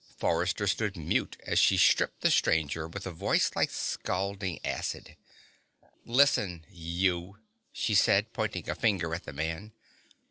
Forrester stood mute as she stripped the stranger with a voice like scalding acid. "Listen, you," she said, pointing a finger at the man.